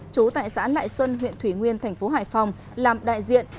trú tại xã lại xuân huyện thủy nguyên tp hải phòng làm đại diện